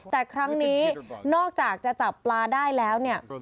แต่ครั้งนี้นอกจากจะจับปลาได้แล้วเนี่ย